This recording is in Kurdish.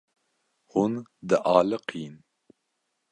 Hûn dialiqîn.